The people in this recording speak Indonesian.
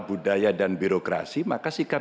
budaya dan birokrasi maka sikap